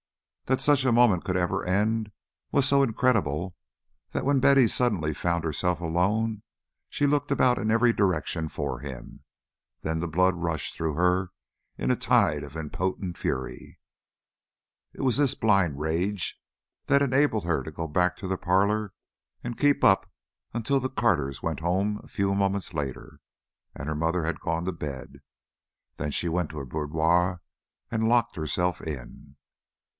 That such a moment ever could end was so incredible that when Betty suddenly found herself alone she looked about in every direction for him, and then the blood rushed through her in a tide of impotent fury. It was this blind rage that enabled her to go back to the parlor and keep up until the Carters went home a few moments later, and her mother had gone to bed. Then she went to her boudoir and locked herself in.